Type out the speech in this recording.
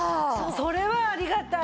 それはありがたい。